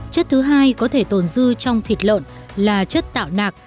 chất thứ hai có thể tồn dư trong thịt lợn là chất tạo nạc